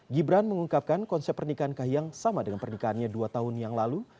gibran mengungkapkan konsep pernikahan kahiyang sama dengan pernikahannya dua tahun yang lalu